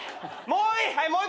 もういい。